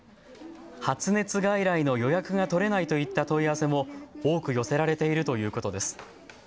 発熱外来の予約が取れないといった問い合わせも多く寄せられているということです。